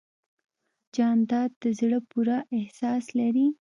جانداد د زړه پوره احساس لري.